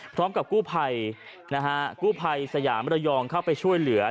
พร้อมกับกู้ภัยนะฮะกู้ภัยสยามระยองเข้าไปช่วยเหลือ